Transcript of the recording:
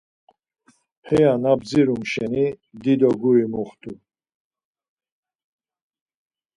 Heya na bdzirom şeni, dido guri muxtu.